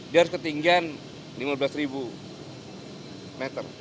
dari ketinggian lima belas meter